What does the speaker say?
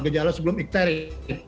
gejala sebelum ecterik